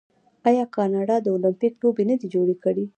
آیا کاناډا المپیک لوبې نه دي جوړې کړي؟